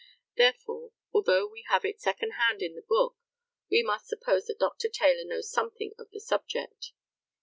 Therefore, although we have it secondhand in the book, we must suppose that Dr. Taylor knows something of the subject.